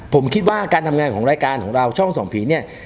ผมคิดว่าการทำงานของรายการของเราช่องส่องผีเนี่ย